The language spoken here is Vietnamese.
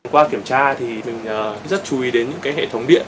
qua kiểm tra thì mình rất chú ý đến những hệ thống điện